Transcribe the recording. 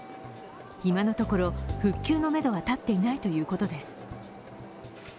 今のところ、復旧のめどは立っていないということです。